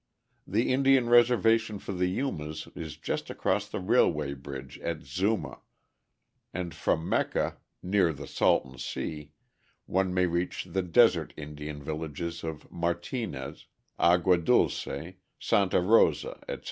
The Indian reservation for the Yumas is just across the railway bridge at Zuma, and from Mecca, near the Salton Sea, one may reach the desert Indian villages of Martinez, Agua Dulce, Santa Rosa, etc.